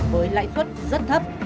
với lãi suất rất thấp